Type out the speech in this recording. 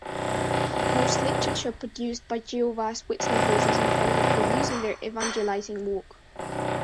Most literature produced by Jehovah's Witnesses is intended for use in their evangelizing work.